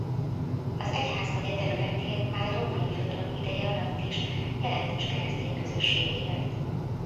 Az egyházmegye területén már a Római Birodalom ideje alatt is jelentős keresztény közösség élt.